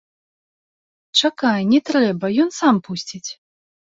Чакай, не трэба, ён сам пусціць.